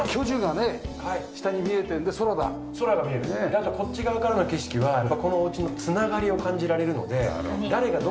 なんかこっち側からの景色はやっぱりこのお家の繋がりを感じられるので。